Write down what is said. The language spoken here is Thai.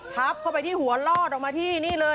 ทับเข้าไปที่หัวลอดออกมาที่นี่เลย